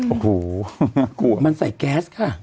โอ้โหมันใส่แก๊สค่ะ